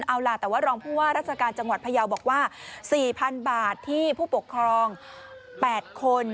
เอาล่ะแต่ว่ารองผู้ว่าราชการจังหวัดพยาวบอกว่า๔๐๐๐บาทที่ผู้ปกครอง๘คน